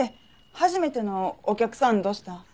初めてのお客さんどした。